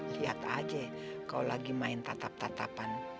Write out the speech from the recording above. lihat aja kau lagi main tatap tatapan